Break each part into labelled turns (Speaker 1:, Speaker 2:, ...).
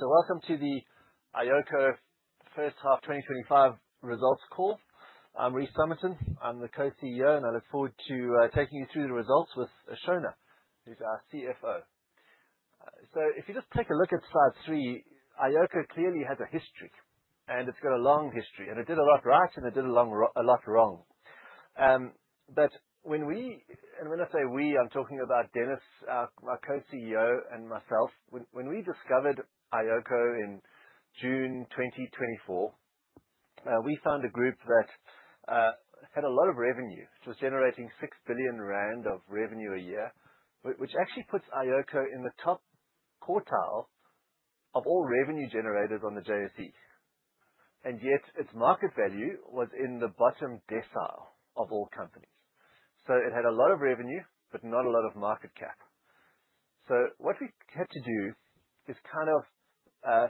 Speaker 1: Welcome to the iOCO H1 2025 results call. I'm Rhys Summerton, I'm the Co-CEO, and I look forward to taking you through the results with Ashona, who's our CFO. If you just take a look at slide three, iOCO clearly has a history, and it's got a long history, and it did a lot right, and it did a lot wrong. But when we discovered iOCO in June 2024, we found a group that had a lot of revenue. It was generating 6 billion rand of revenue a year, which actually puts iOCO in the top quartile of all revenue generated on the JSE, and yet its market value was in the bottom decile of all companies. It had a lot of revenue, but not a lot of market cap. What we had to do is kind of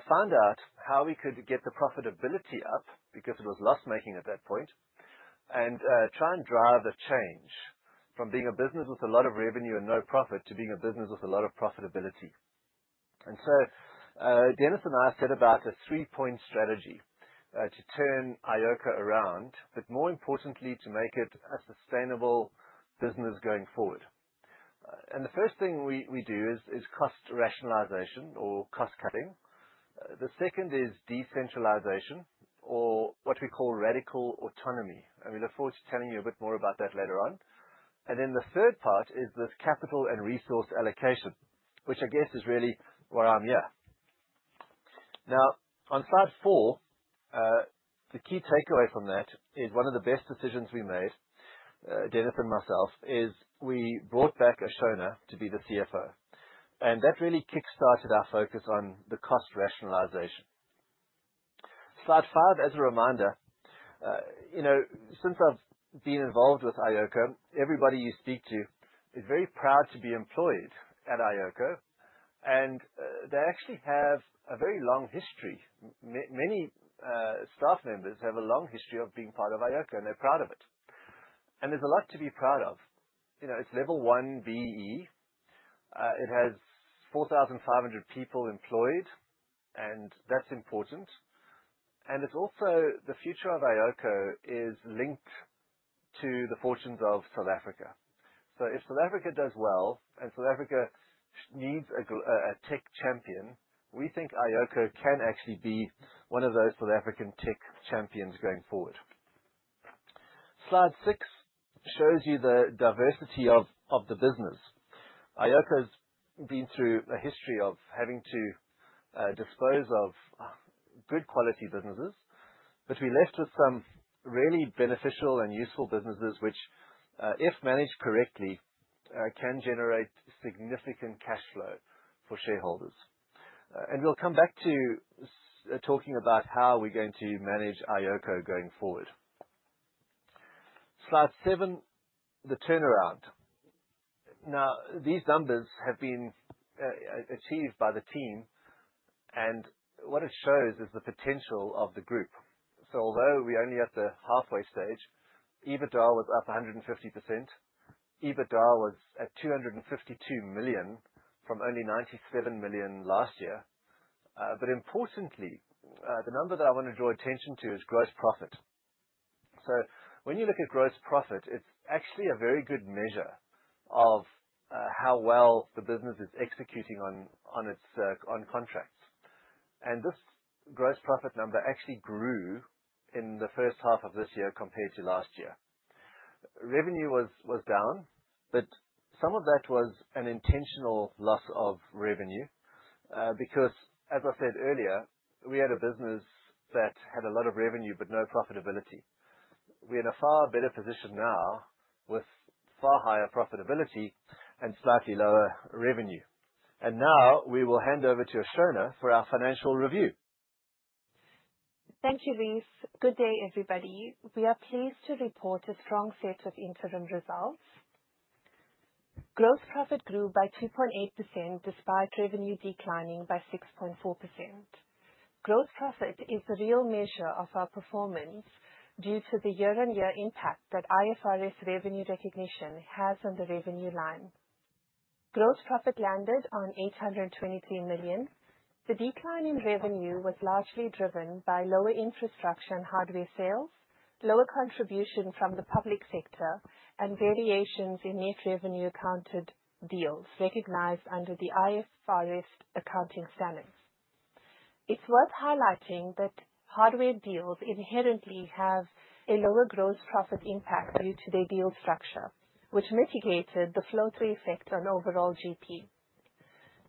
Speaker 1: find out how we could get the profitability up because it was loss-making at that point, and try and drive a change from being a business with a lot of revenue and no profit to being a business with a lot of profitability. Dennis and I set about a three-point strategy to turn iOCO around, but more importantly, to make it a sustainable business going forward. The first thing we do is cost rationalization or cost-cutting. The second is decentralization or what we call Radical Autonomy. We look forward to telling you a bit more about that later on. The third part is this capital and resource allocation, which I guess is really why I'm here. Now, on slide four, the key takeaway from that is one of the best decisions we made, Dennis and myself, is we brought back Ashona to be the CFO, and that really kick-started our focus on the cost rationalization. Slide five, as a reminder, you know, since I've been involved with iOCO, everybody you speak to is very proud to be employed at iOCO and, they actually have a very long history. Many staff members have a long history of being part of iOCO, and they're proud of it. There's a lot to be proud of. You know, it's level one BEE. It has 4,500 people employed, and that's important. It's also the future of iOCO is linked to the fortunes of South Africa. If South Africa does well and South Africa needs a tech champion, we think iOCO can actually be one of those South African tech champions going forward. Slide six shows you the diversity of the business. iOCO's been through a history of having to dispose of good quality businesses, but we're left with some really beneficial and useful businesses which, if managed correctly, can generate significant cash flow for shareholders. We'll come back to talking about how we're going to manage iOCO going forward. Slide seven, the turnaround. Now, these numbers have been achieved by the team, and what it shows is the potential of the group. Although we're only at the halfway stage, EBITDA was up 150%. EBITDA was at 252 million from only 97 million last year. Importantly, the number that I wanna draw attention to is gross profit. When you look at gross profit, it's actually a very good measure of how well the business is executing on its contracts. This gross profit number actually grew in the first half of this year compared to last year. Revenue was down, but some of that was an intentional loss of revenue because as I said earlier, we had a business that had a lot of revenue but no profitability. We're in a far better position now with far higher profitability and slightly lower revenue. Now we will hand over to Ashona for our financial review.
Speaker 2: Thank you, Rhys. Good day, everybody. We are pleased to report a strong set of interim results. Gross profit grew by 2.8% despite revenue declining by 6.4%. Gross profit is the real measure of our performance due to the year-on-year impact that IFRS revenue recognition has on the revenue line. Gross profit landed on 823 million. The decline in revenue was largely driven by lower infrastructure and hardware sales, lower contribution from the public sector, and variations in net revenue accounted deals recognized under the IFRS accounting standards. It's worth highlighting that hardware deals inherently have a lower gross profit impact due to their deal structure, which mitigated the flow-through effect on overall GP.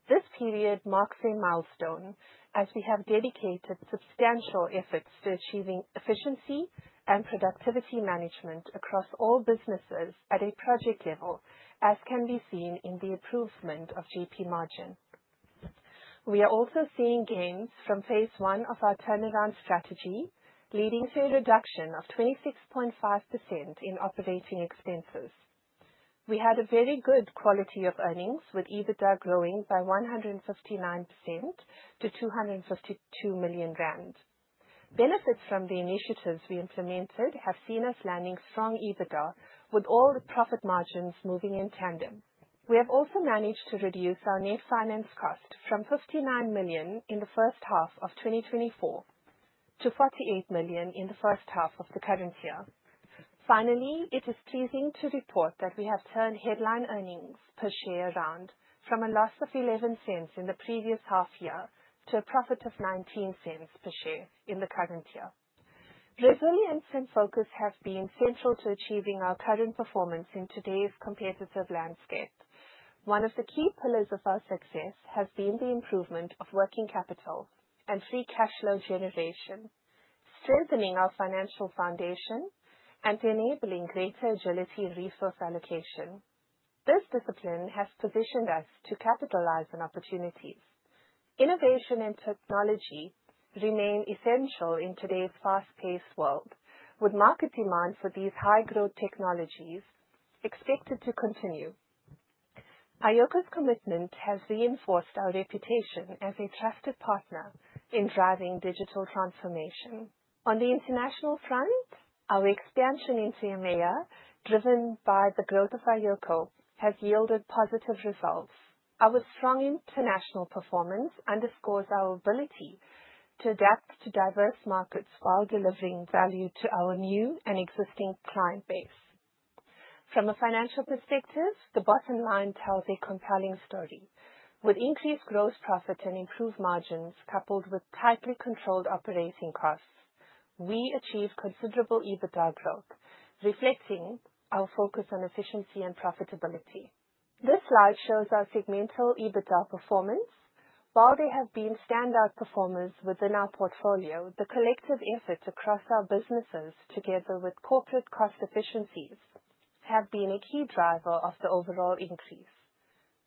Speaker 2: This period marks a milestone as we have dedicated substantial efforts to achieving efficiency and productivity management across all businesses at a project level, as can be seen in the improvement of GP margin. We are also seeing gains from phase one of our turnaround strategy, leading to a reduction of 26.5% in operating expenses. We had a very good quality of earnings with EBITDA growing by 159% to 252 million rand. Benefits from the initiatives we implemented have seen us landing strong EBITDA with all the profit margins moving in tandem. We have also managed to reduce our net finance cost from 59 million in H1 of 2024 to 48 million in H1 of the current year. Finally, it is pleasing to report that we have turned headline earnings per share around from a loss of 0.11 in the previous half year to a profit of 0.19 per share in the current year. Resilience and focus have been central to achieving our current performance in today's competitive landscape. One of the key pillars of our success has been the improvement of working capital and free cash flow generation, strengthening our financial foundation and enabling greater agility in resource allocation. This discipline has positioned us to capitalize on opportunities. Innovation and technology remain essential in today's fast-paced world, with market demand for these high-growth technologies expected to continue. iOCO's commitment has reinforced our reputation as a trusted partner in driving digital transformation. On the international front, our expansion into EMEA, driven by the growth of iOCO, has yielded positive results. Our strong international performance underscores our ability to adapt to diverse markets while delivering value to our new and existing client base. From a financial perspective, the bottom line tells a compelling story. With increased gross profit and improved margins, coupled with tightly controlled operating costs, we achieved considerable EBITDA growth, reflecting our focus on efficiency and profitability. This slide shows our segmental EBITDA performance. While there have been standout performers within our portfolio, the collective effort across our businesses, together with corporate cost efficiencies, have been a key driver of the overall increase.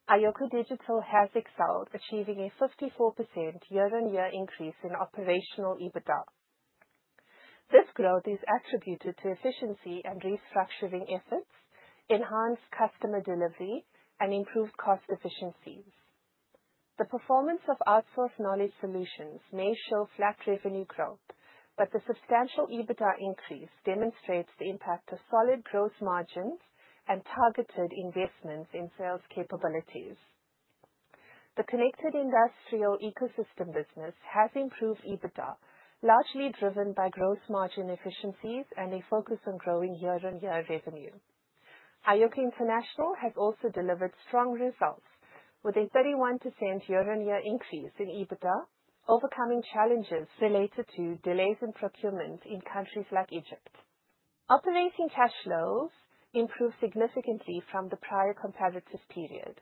Speaker 2: iOCO Digital has excelled, achieving a 54% year-on-year increase in operational EBITDA. This growth is attributed to efficiency and restructuring efforts, enhanced customer delivery, and improved cost efficiencies. The performance of Outsourced Knowledge Solutions may show flat revenue growth, but the substantial EBITDA increase demonstrates the impact of solid gross margins and targeted investments in sales capabilities. The Connected Industrial Ecosystems business has improved EBITDA, largely driven by gross margin efficiencies and a focus on growing year-on-year revenue. iOCO International has also delivered strong results with a 31% year-on-year increase in EBITDA, overcoming challenges related to delays in procurement in countries like Egypt. Operating cash flows improved significantly from the prior comparative period.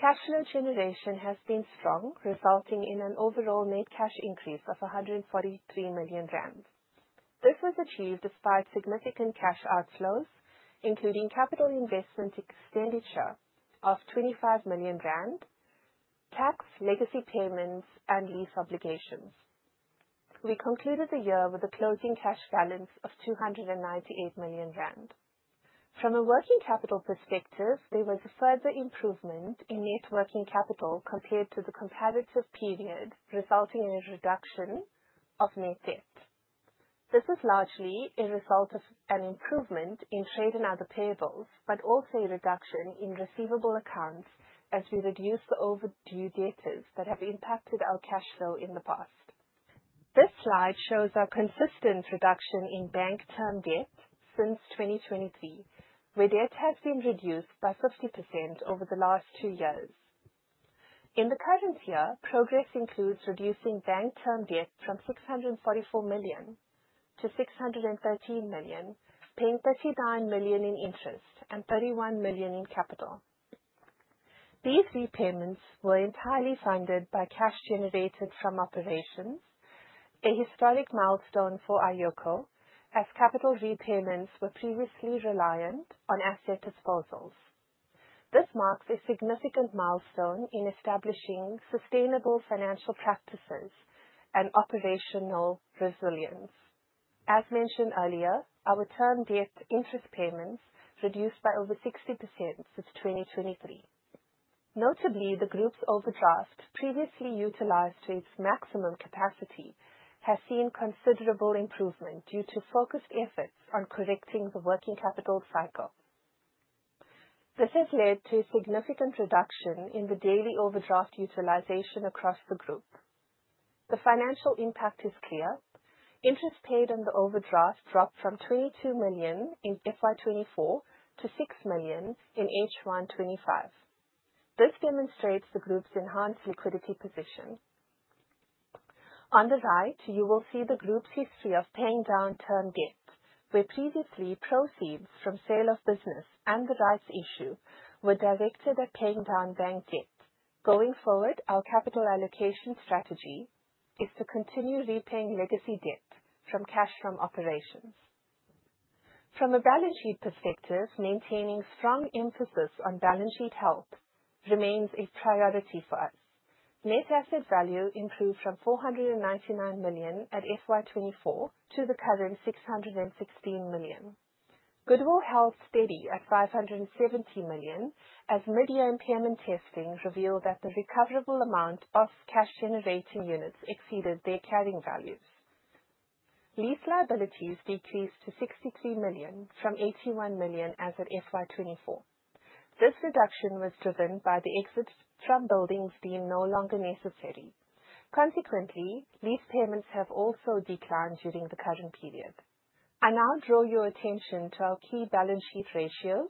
Speaker 2: Cash flow generation has been strong, resulting in an overall net cash increase of 143 million rand. This was achieved despite significant cash outflows, including capital investment expenditure of 25 million rand, tax legacy payments, and lease obligations. We concluded the year with a closing cash balance of 298 million rand. From a working capital perspective, there was a further improvement in net working capital compared to the comparative period, resulting in a reduction of net debt. This is largely a result of an improvement in trade and other payables, but also a reduction in receivable accounts as we reduce the overdue debtors that have impacted our cash flow in the past. This slide shows our consistent reduction in bank term debt since 2023, where debt has been reduced by 50% over the last two years. In the current year, progress includes reducing bank term debt from 644 million to 613 million, paying 39 million in interest and 31 million in capital. These repayments were entirely funded by cash generated from operations, a historic milestone for iOCO, as capital repayments were previously reliant on asset disposals. This marks a significant milestone in establishing sustainable financial practices and operational resilience. As mentioned earlier, our term debt interest payments reduced by over 60% since 2023. Notably, the group's overdraft, previously utilized to its maximum capacity, has seen considerable improvement due to focused efforts on correcting the working capital cycle. This has led to a significant reduction in the daily overdraft utilization across the group. The financial impact is clear. Interest paid on the overdraft dropped from 22 million in FY 2024 to 6 million in H1 2025. This demonstrates the group's enhanced liquidity position. On the right, you will see the group's history of paying down term debt, where previously proceeds from sale of business and the rights issue were directed at paying down bank debt. Going forward, our capital allocation strategy is to continue repaying legacy debt from cash from operations. From a balance sheet perspective, maintaining strong emphasis on balance sheet health remains a priority for us. Net asset value improved from 499 million at FY 2024 to the current 616 million. Goodwill held steady at 570 million as mid-year impairment testing revealed that the recoverable amount of Cash-Generating Units exceeded their carrying values. Lease liabilities decreased to 63 million from 81 million as of FY 2024. This reduction was driven by the exit from buildings being no longer necessary. Consequently, lease payments have also declined during the current period. I now draw your attention to our key balance sheet ratios.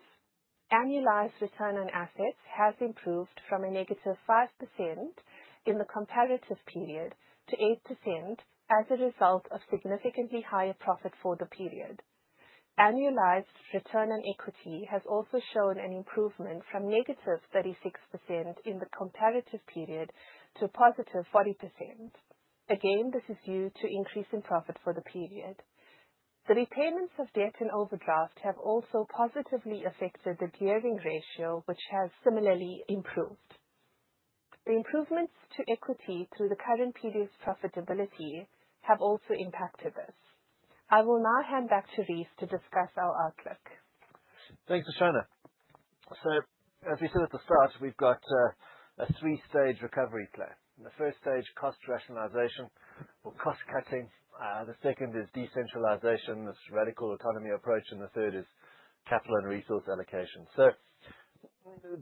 Speaker 2: Annualized return on assets has improved from a negative 5% in the comparative period to 8% as a result of significantly higher profit for the period. Annualized return on equity has also shown an improvement from negative 36% in the comparative period to a positive 40%. Again, this is due to increase in profit for the period. The repayments of debt and overdraft have also positively affected the gearing ratio, which has similarly improved. The improvements to equity through the current period's profitability have also impacted this. I will now hand back to Rhys to discuss our outlook.
Speaker 1: Thanks, Ashona. As we said at the start, we've got a three-stage recovery plan. The first stage, cost rationalization or cost cutting. The second is decentralization, this Radical Autonomy approach, and the third is capital and resource allocation.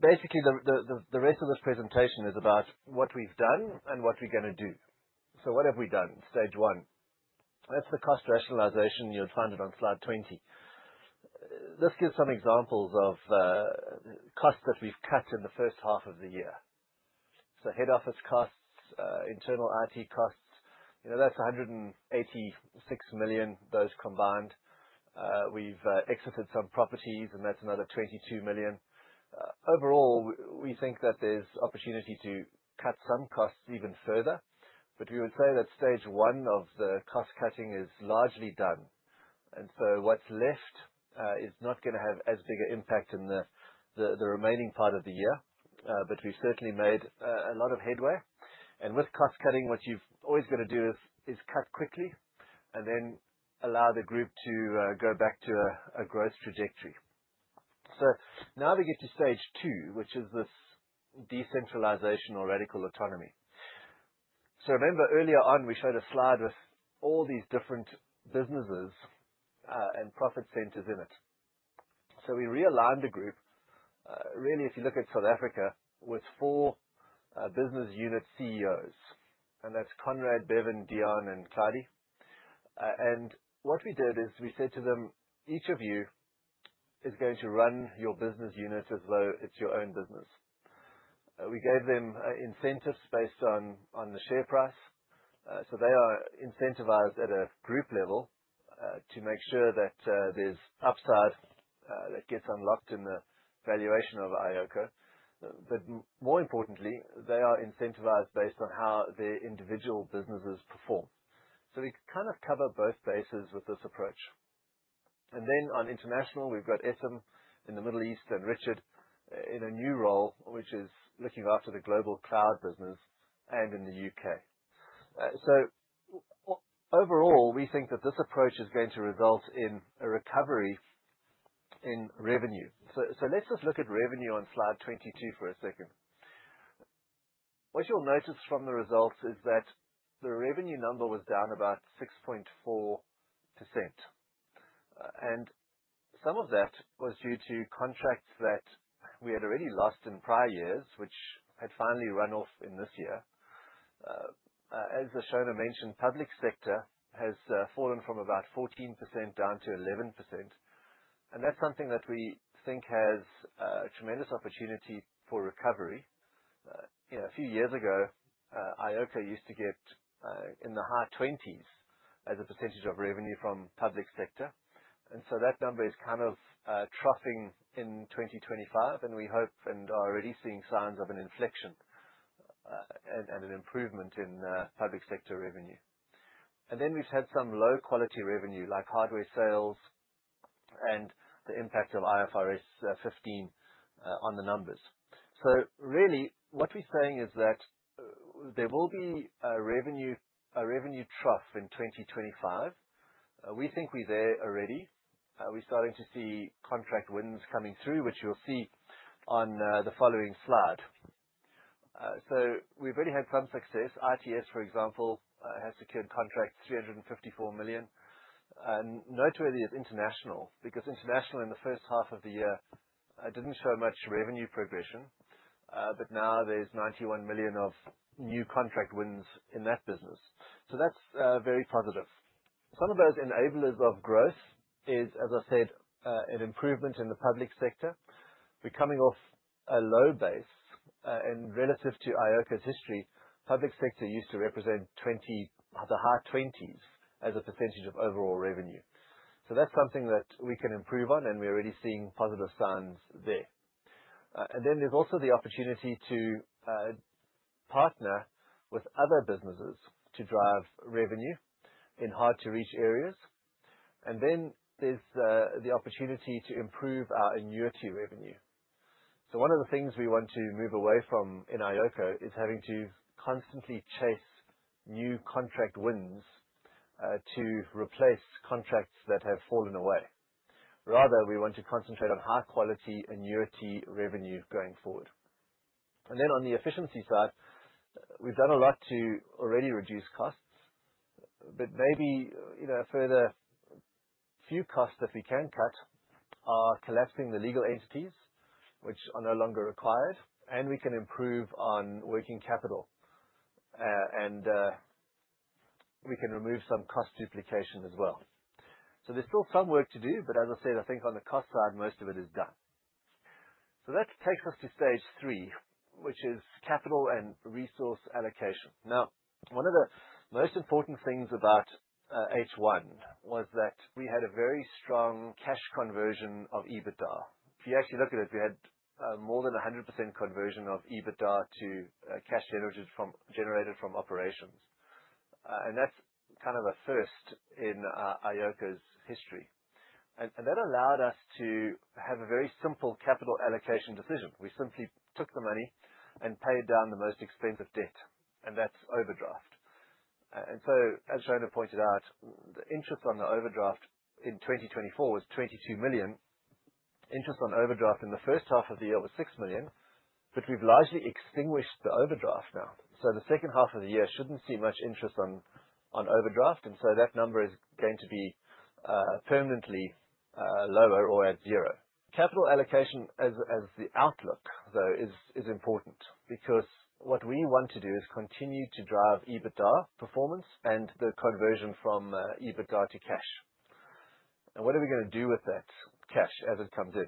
Speaker 1: Basically, the rest of this presentation is about what we've done and what we're gonna do. What have we done? Stage one. That's the cost rationalization. You'll find it on slide 20. Let's give some examples of costs that we've cut in the first half of the year. Head office costs, internal IT costs, you know, that's 186 million, those combined. We've exited some properties, and that's another 22 million. Overall, we think that there's opportunity to cut some costs even further, but we would say that stage one of the cost cutting is largely done. What's left is not gonna have as big an impact in the remaining part of the year, but we've certainly made a lot of headway. With cost cutting, what you've always got to do is cut quickly and then allow the group to go back to a growth trajectory. Now we get to stage two, which is this decentralization or Radical Autonomy. Remember earlier on, we showed a slide with all these different businesses and profit centers in it. We realigned the group, really, if you look at South Africa, with four business unit CEOs, and that's Conrad, Bevan, Dion, and Clydie. What we did is we said to them, Each of you is going to run your business unit as though it's your own business. We gave them incentives based on the share price. So they are incentivized at a group level to make sure that there's upside that gets unlocked in the valuation of iOCO. But more importantly, they are incentivized based on how their individual businesses perform. So we kind of cover both bases with this approach. Then on international, we've got Essam in the Middle East and Richard in a new role, which is looking after the global cloud business and in the U.K. So overall, we think that this approach is going to result in a recovery in revenue. So let's just look at revenue on slide 22 for a second. What you'll notice from the results is that the revenue number was down about 6.4%. Some of that was due to contracts that we had already lost in prior years, which had finally run off in this year. As Ashona mentioned, public sector has fallen from about 14% down to 11%, and that's something that we think has tremendous opportunity for recovery. You know, a few years ago, iOCO used to get in the high 20s% as a percentage of revenue from public sector. That number is kind of troughing in 2025, and we hope and are already seeing signs of an inflection and an improvement in public sector revenue. We've had some low-quality revenue, like hardware sales and the impact of IFRS 15 on the numbers. Really what we're saying is that there will be a revenue trough in 2025. We think we're there already. We're starting to see contract wins coming through, which you'll see on the following slide. We've already had some success. ITS, for example, has secured contracts, 354 million. Noteworthy is International, because International in the first half of the year didn't show much revenue progression, but now there's 91 million of new contract wins in that business. That's very positive. Some of those enablers of growth is, as I said, an improvement in the public sector. We're coming off a low base, and relative to iOCO's history, public sector used to represent the high twenties% of overall revenue. That's something that we can improve on, and we're already seeing positive signs there. Then there's also the opportunity to partner with other businesses to drive revenue in hard-to-reach areas. Then there's the opportunity to improve our annuity revenue. One of the things we want to move away from in iOCO is having to constantly chase new contract wins to replace contracts that have fallen away. Rather, we want to concentrate on high quality annuity revenue going forward. On the efficiency side, we've done a lot to already reduce costs, but maybe, you know, a further few costs that we can cut are collapsing the legal entities which are no longer required, and we can improve on working capital, and we can remove some cost duplication as well. There's still some work to do, but as I said, I think on the cost side, most of it is done. That takes us to stage three, which is capital and resource allocation. Now, one of the most important things about H1 was that we had a very strong cash conversion of EBITDA. If you actually look at it, we had more than 100% conversion of EBITDA to cash generated from operations. That's kind of a first in iOCO's history. That allowed us to have a very simple capital allocation decision. We simply took the money and paid down the most expensive debt, and that's overdraft. As Ashona pointed out, the interest on the overdraft in 2024 was 22 million. Interest on overdraft in H1 of the year was 6 million, but we've largely extinguished the overdraft now. The H2 of the year shouldn't see much interest on overdraft, and that number is going to be permanently lower or at zero. Capital allocation as the outlook, though, is important because what we want to do is continue to drive EBITDA performance and the conversion from EBITDA to cash. Now, what are we gonna do with that cash as it comes in?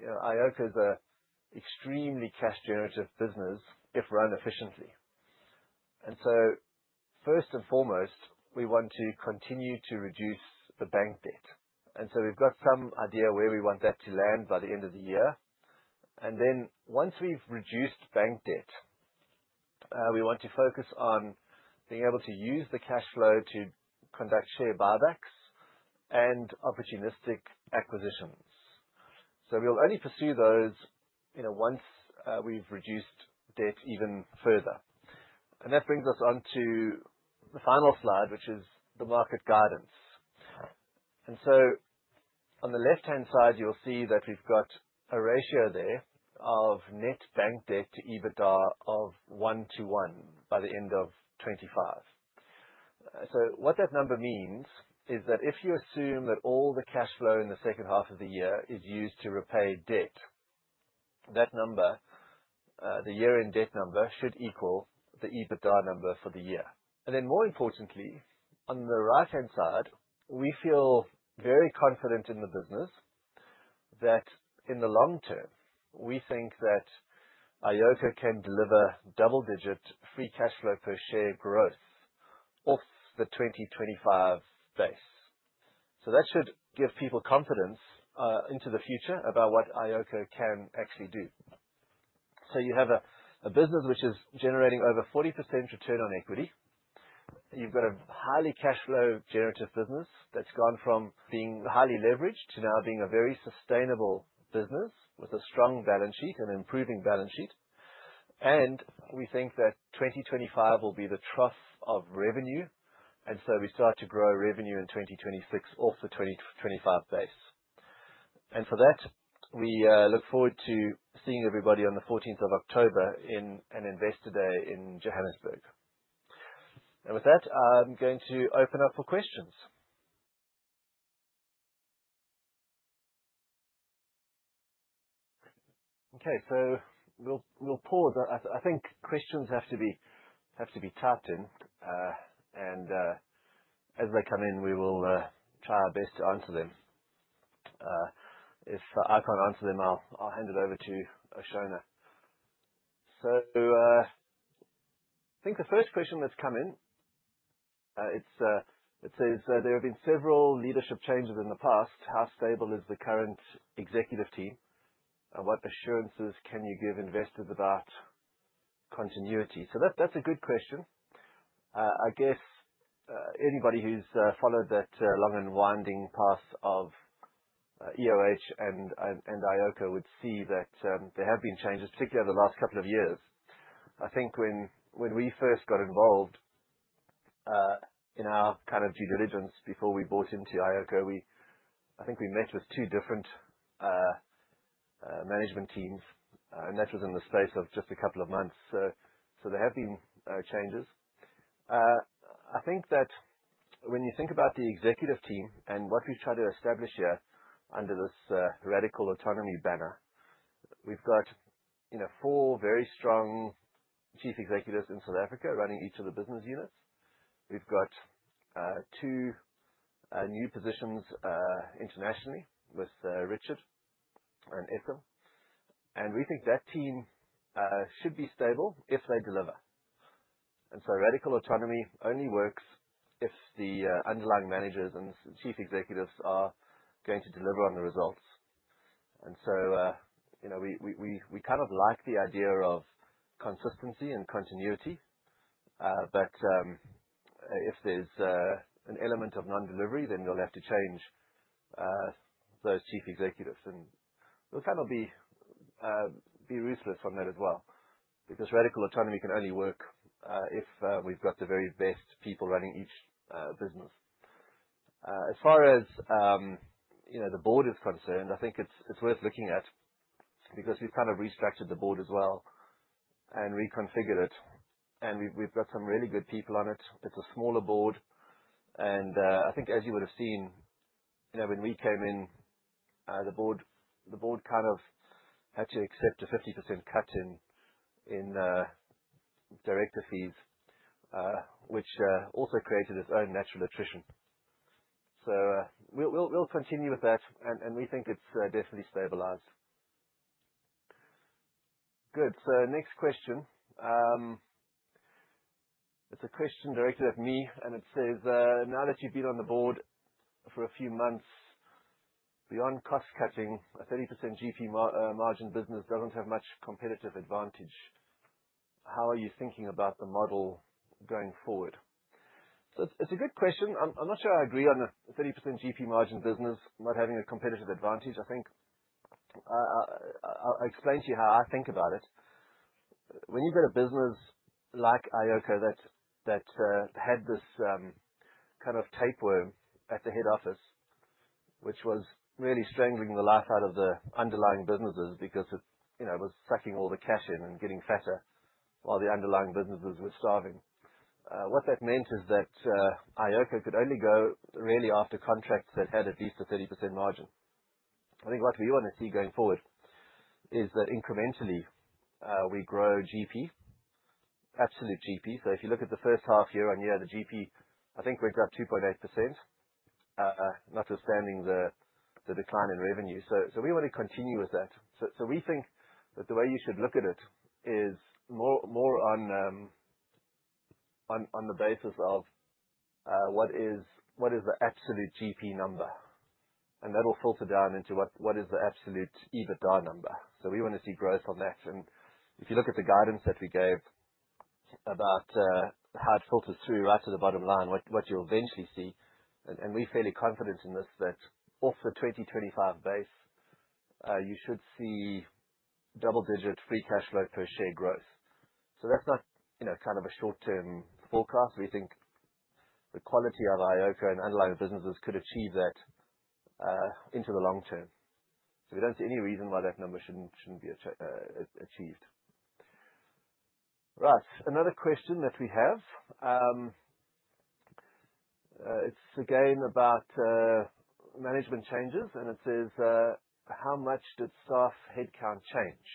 Speaker 1: You know, iOCO is an extremely cash generative business if run efficiently. First and foremost, we want to continue to reduce the bank debt. We've got some idea where we want that to land by the end of the year. Once we've reduced bank debt, we want to focus on being able to use the cash flow to conduct share buybacks and opportunistic acquisitions. We'll only pursue those, you know, once we've reduced debt even further. That brings us on to the final slide, which is the market guidance. On the left-hand side, you'll see that we've got a ratio there of net bank debt to EBITDA of one to one by the end of 2025. What that number means is that if you assume that all the cash flow in the of the year H2 is used to repay debt, that number, the year-end debt number should equal the EBITDA number for the year. Then more importantly, on the right-hand side, we feel very confident in the business that in the long term, we think that iOCO can deliver double-digit free cash flow per share growth off the 2025 base. That should give people confidence into the future about what iOCO can actually do. You have a business which is generating over 40% return on equity. You've got a highly cash flow generative business that's gone from being highly leveraged to now being a very sustainable business with a strong balance sheet and improving balance sheet. We think that 2025 will be the trough of revenue, so we start to grow revenue in 2026 off the 2025 base. We look forward to seeing everybody on the fourteenth of October in an Investor Day in Johannesburg. With that, I'm going to open up for questions. Okay. We'll pause. I think questions have to be typed in, and as they come in, we will try our best to answer them. If I can't answer them, I'll hand it over to Ashona. I think the first question that's come in, it says, there have been several leadership changes in the past. How stable is the current executive team? And what assurances can you give investors about continuity? That's a good question. I guess anybody who's followed that long and winding path of EOH and iOCO would see that there have been changes, particularly over the last couple of years. I think when we first got involved in our kind of due diligence before we bought into iOCO, I think we met with two different management teams and that was in the space of just a couple of months. There have been changes. I think that when you think about the executive team and what we've tried to establish here under this Radical Autonomy banner, we've got, you know, four very strong chief executives in South Africa running each of the business units. We've got two new positions internationally with Richard and Essam. We think that team should be stable if they deliver. Radical Autonomy only works if the underlying managers and chief executives are going to deliver on the results. You know, we kind of like the idea of consistency and continuity. If there's an element of non-delivery, then you'll have to change those chief executives. We'll kind of be ruthless on that as well, because Radical Autonomy can only work if we've got the very best people running each business. As far as you know, the board is concerned, I think it's worth looking at because we've kind of restructured the board as well and reconfigured it. We've got some really good people on it. It's a smaller board. I think as you would have seen, you know, when we came in, the board kind of had to accept a 50% cut in director fees, which also created its own natural attrition. We'll continue with that and we think it's definitely stabilized. Good. Next question. It's a question directed at me, and it says, now that you've been on the board for a few months, beyond cost-cutting, a 30% GP margin business doesn't have much competitive advantage. How are you thinking about the model going forward? It's a good question. I'm not sure I agree on the 30% GP margin business not having a competitive advantage. I think I'll explain to you how I think about it. When you've got a business like iOCO that had this kind of tapeworm at the head office, which was really strangling the life out of the underlying businesses because it, you know, was sucking all the cash in and getting fatter while the underlying businesses were starving. What that meant is that iOCO could only go really after contracts that had at least a 30% margin. I think what we wanna see going forward is that incrementally we grow GP, absolute GP. If you look at the first half year-over-year, the GP, I think we're up 2.8%, notwithstanding the decline in revenue. We want to continue with that. We think that the way you should look at it is more on the basis of what is the absolute GP number, and that will filter down into what is the absolute EBITDA number. We wanna see growth on that. If you look at the guidance that we gave about how it filters through right to the bottom line, what you'll eventually see, and we're fairly confident in this, that off the 2025 base you should see double-digit free cash flow per share growth. That's not, you know, kind of a short-term forecast. We think the quality of iOCO and underlying businesses could achieve that into the long term. We don't see any reason why that number shouldn't be achieved. Right. Another question that we have, it's again about management changes, and it says, how much did staff headcount change?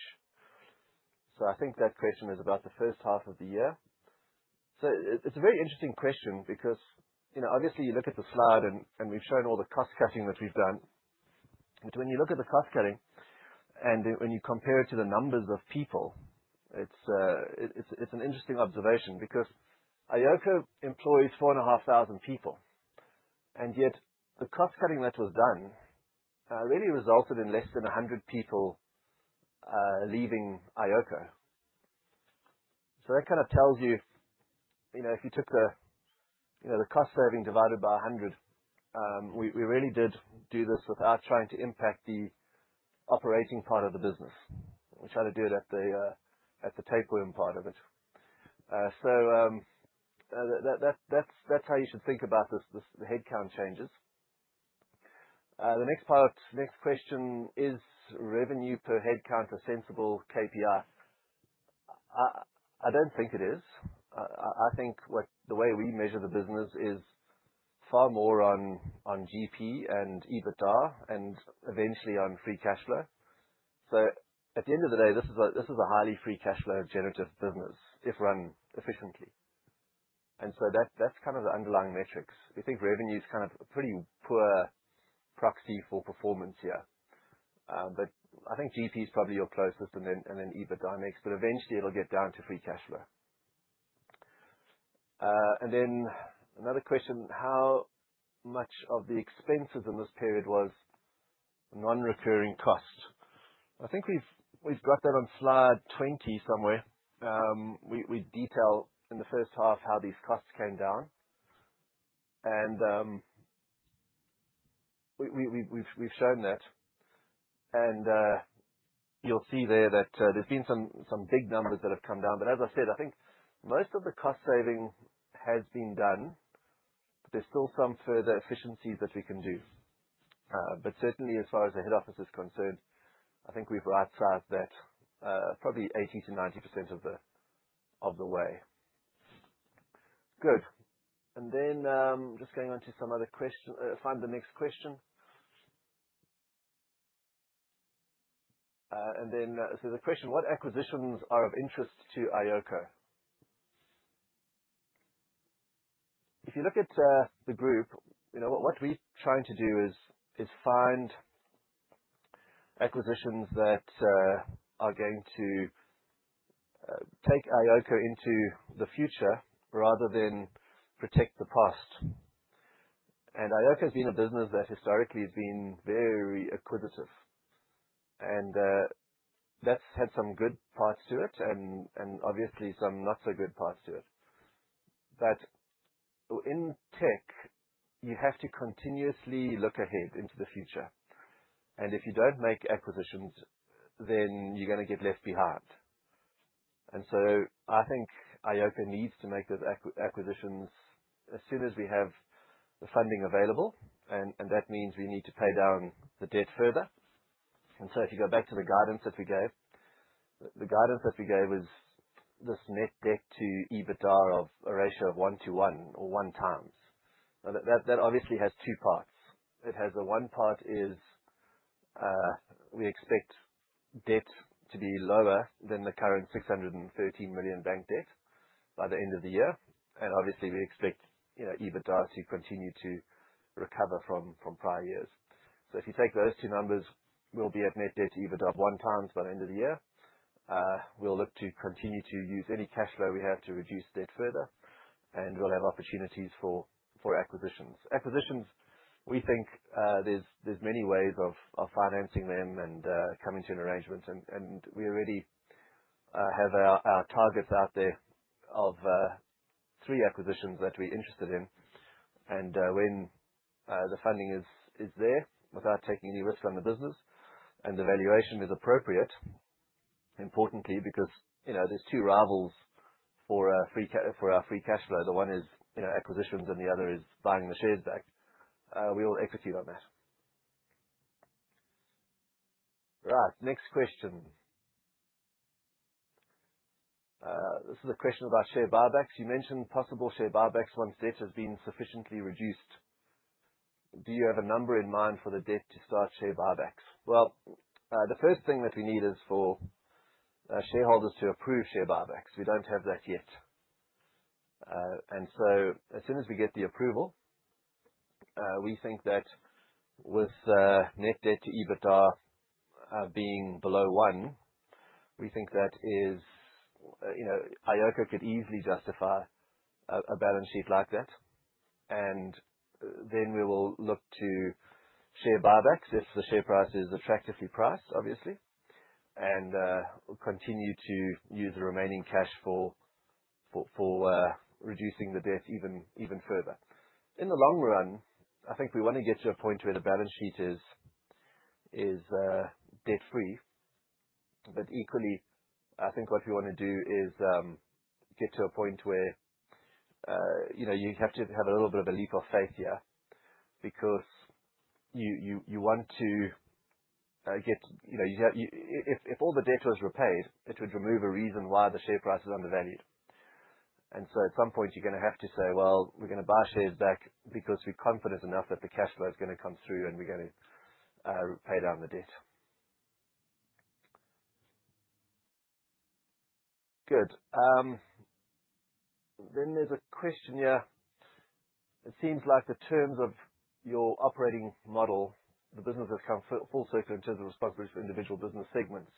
Speaker 1: I think that question is about the first half of the year. It's a very interesting question because, you know, obviously, you look at the slide and we've shown all the cost cutting that we've done. When you look at the cost cutting and when you compare it to the numbers of people, it's an interesting observation because iOCO employs 4,500 people, and yet the cost cutting that was done really resulted in less than 100 people leaving iOCO. That kind of tells you if you took the cost saving divided by 100, we really did do this without trying to impact the operating part of the business. We tried to do it at the tapeworm part of it. That's how you should think about the headcount changes. The next part, next question, is revenue per headcount a sensible KPI? I don't think it is. I think the way we measure the business is far more on GP and EBITDA and eventually on free cash flow. At the end of the day, this is a highly free cash flow generative business if run efficiently. That's kind of the underlying metrics. We think revenue is kind of a pretty poor proxy for performance here. I think GP is probably your closest and then EBITDA next, but eventually it'll get down to free cash flow. Another question, how much of the expenses in this period was non-recurring costs? I think we've got that on slide 20 somewhere. We detail in the first half how these costs came down. We've shown that. You'll see there that there's been some big numbers that have come down. As I said, I think most of the cost saving has been done. There's still some further efficiencies that we can do. Certainly as far as the head office is concerned, I think we've outsized that, probably 80%-90% of the way. Good. Then, just going on to some other, find the next question. Then, the question: What acquisitions are of interest to iOCO? If you look at the group, you know, what we're trying to do is find acquisitions that are going to take iOCO into the future rather than protect the past. iOCO has been a business that historically has been very acquisitive. That's had some good parts to it and obviously some not so good parts to it. In tech, you have to continuously look ahead into the future, and if you don't make acquisitions, then you're gonna get left behind. I think iOCO needs to make those acquisitions as soon as we have the funding available, and that means we need to pay down the debt further. If you go back to the guidance that we gave, the guidance that we gave is this net debt to EBITDA ratio of 1:1 or 1 times. Now, that obviously has two parts. It has one part is we expect debt to be lower than the current 613 million bank debt by the end of the year. Obviously we expect, you know, EBITDA to continue to recover from prior years. If you take those two numbers, we'll be at net debt to EBITDA of 1 times by the end of the year. We'll look to continue to use any cash flow we have to reduce debt further, and we'll have opportunities for acquisitions. Acquisitions, we think, there's many ways of financing them and coming to an arrangement. We already have our targets out there of 3 acquisitions that we're interested in. When the funding is there without taking any risk from the business and the valuation is appropriate, importantly, because, you know, there's two rivals for our free cash flow. The one is, you know, acquisitions and the other is buying the shares back. We will execute on that. Right, next question. This is a question about share buybacks. You mentioned possible share buybacks once debt has been sufficiently reduced. Do you have a number in mind for the debt to start share buybacks? Well, the first thing that we need is for shareholders to approve share buybacks. We don't have that yet. As soon as we get the approval, we think that with net debt to EBITDA being below 1, we think that is, you know, iOCO could easily justify a balance sheet like that. We will look to share buybacks if the share price is attractively priced, obviously. We'll continue to use the remaining cash for reducing the debt even further. In the long run, I think we wanna get to a point where the balance sheet is debt-free. Equally, I think what we wanna do is get to a point where you know, you have to have a little bit of a leap of faith here because if all the debt was repaid, it would remove a reason why the share price is undervalued. So at some point you're gonna have to say, Well, we're gonna buy shares back because we're confident enough that the cash flow is gonna come through and we're gonna pay down the debt. Good. Then there's a question here. It seems like the terms of your operating model, the business has come full circle in terms of responsibility for individual business segments.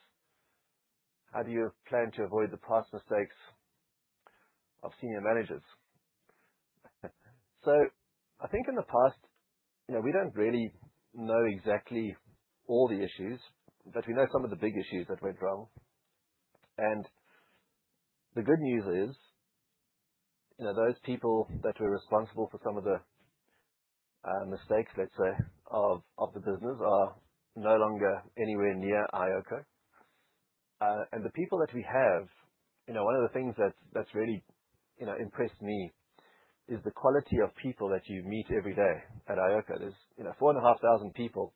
Speaker 1: How do you plan to avoid the past mistakes of senior managers? I think in the past, you know, we don't really know exactly all the issues, but we know some of the big issues that went wrong. The good news is, you know, those people that were responsible for some of the mistakes, let's say, of the business are no longer anywhere near iOCO. The people that we have, you know, one of the things that's really, you know, impressed me is the quality of people that you meet every day at iOCO. There's, you know, 4,500 people,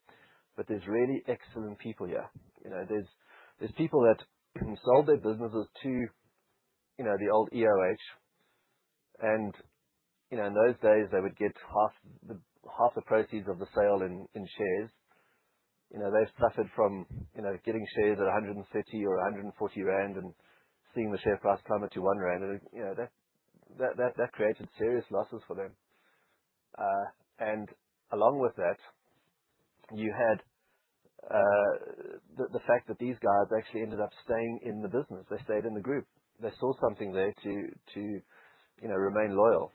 Speaker 1: but there's really excellent people here. You know, there's people that sold their businesses to, you know, the old EOH. You know, in those days, they would get half the proceeds of the sale in shares. You know, they've suffered from, you know, getting shares at 130 or 140 rand and seeing the share price plummet to 1 rand. You know, that created serious losses for them. Along with that, you had the fact that these guys actually ended up staying in the business. They stayed in the group. They saw something there to you know remain loyal.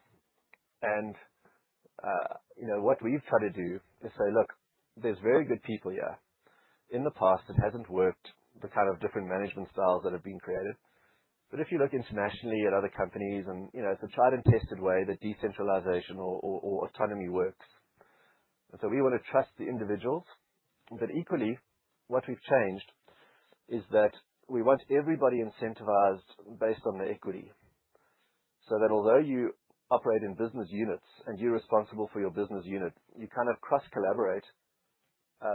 Speaker 1: You know, what we've tried to do is say, Look, there's very good people here. In the past, it hasn't worked, the kind of different management styles that have been created. But if you look internationally at other companies and you know it's a tried and tested way that decentralization or autonomy works. We wanna trust the individuals. Equally, what we've changed is that we want everybody incentivized based on their equity. So that although you operate in business units and you're responsible for your business unit, you kind of cross-collaborate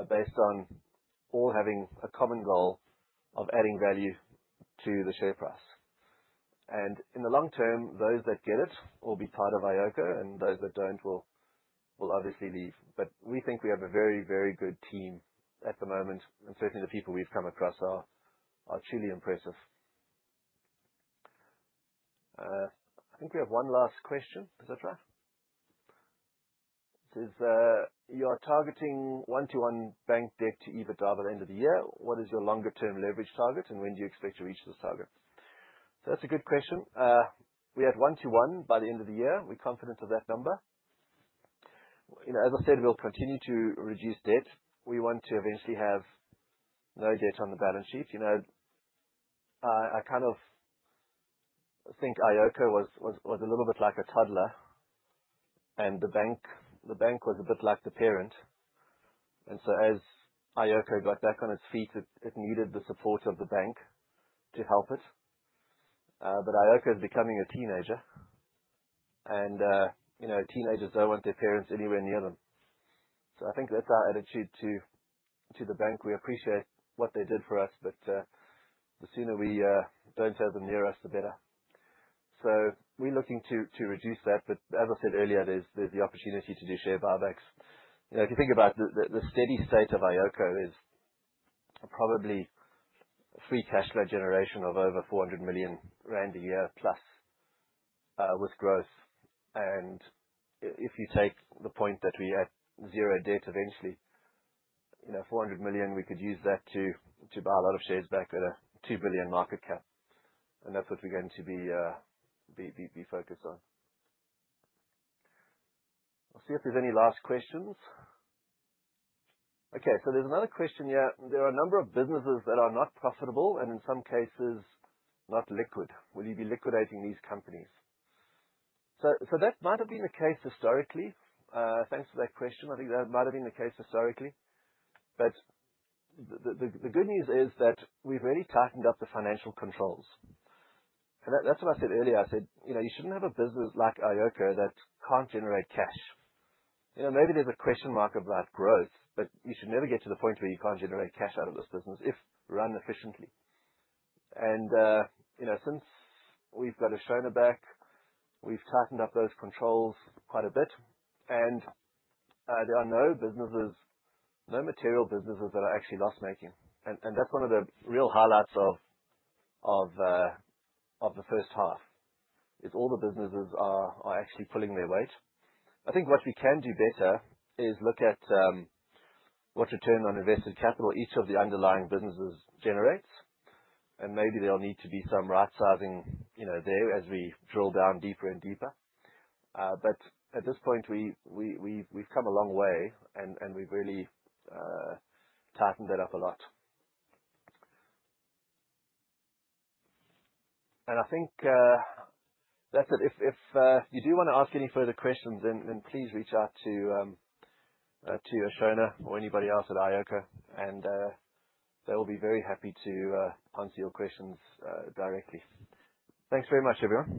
Speaker 1: based on all having a common goal of adding value to the share price. In the long term, those that get it will be part of iOCO, and those that don't will obviously leave. We think we have a very, very good team at the moment, and certainly the people we've come across are truly impressive. I think we have one last question. Is that right? It says you are targeting 1:1 bank debt to EBITDA by the end of the year. What is your longer term leverage target, and when do you expect to reach this target? So that's a good question. We have one to one by the end of the year. We're confident of that number. You know, as I said, we'll continue to reduce debt. We want to eventually have no debt on the balance sheet. You know, I kind of think iOCO was a little bit like a toddler and the bank was a bit like the parent. As iOCO got back on its feet, it needed the support of the bank to help it. But iOCO is becoming a teenager and, you know, teenagers don't want their parents anywhere near them. I think that's our attitude to the bank. We appreciate what they did for us, but the sooner we don't have them near us, the better. We're looking to reduce that. As I said earlier, there's the opportunity to do share buybacks. You know, if you think about the steady state of iOCO is probably free cash flow generation of over 400 million rand a year plus, with growth. If you take the point that we had zero debt eventually, you know, 400 million, we could use that to buy a lot of shares back at a 2 billion market cap. That's what we're going to be focused on. I'll see if there's any last questions. Okay, there's another question here. There are a number of businesses that are not profitable and in some cases not liquid. Will you be liquidating these companies? That might have been the case historically. Thanks for that question. I think that might have been the case historically, but the good news is that we've really tightened up the financial controls. That's what I said earlier. I said, You know, you shouldn't have a business like iOCO that can't generate cash. You know, maybe there's a question mark about growth, but you should never get to the point where you can't generate cash out of this business if run efficiently. You know, since we've got Ashona back, we've tightened up those controls quite a bit. There are no businesses, no material businesses that are actually loss-making. That's one of the real highlights of the first half, is all the businesses are actually pulling their weight. I think what we can do better is look at what return on invested capital each of the underlying businesses generates, and maybe there'll need to be some right sizing, you know, there as we drill down deeper and deeper. At this point we've come a long way and we've really tightened it up a lot. I think that's it. If you do wanna ask any further questions then please reach out to Ashona or anybody else at iOCO and they'll be very happy to answer your questions directly. Thanks very much, everyone.